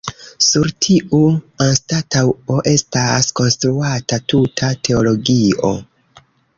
Sur tiu anstataŭo estas konstruata tuta teologio.